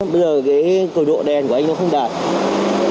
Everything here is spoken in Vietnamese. bây giờ cái cường độ đèn của anh nó không đạt